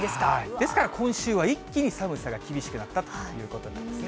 ですから、今週は一気に寒さが厳しくなったということなんですね。